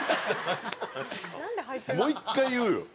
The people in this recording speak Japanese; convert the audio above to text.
もう一回言うよ。